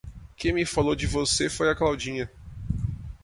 Quem me falou de você foi a Claudinha.